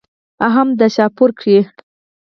هم دې شاهپور کښې